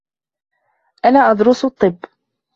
أنا أدرس الطّب.